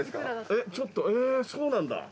えっちょっとえーっそうなんだ。